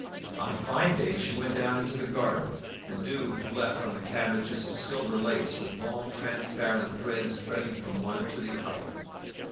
On fine days she went down into the garden. The dew had left on the cabbages a silver lace with long transparent threads spreading from one to the other.